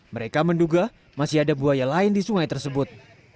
mereka menduga masih ada buaya lain di sungai tersebut